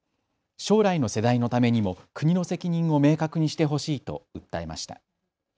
将来の世代のためにも国の責任を明確にしてほしいと訴えました。